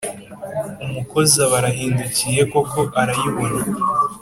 umukozi aba arahindukiye koko arayibona,